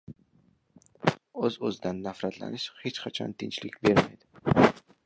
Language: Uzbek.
O‘z-o‘zidan nafratlanish hech qachon tinchlik bermaydi